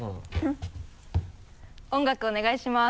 音楽お願いします。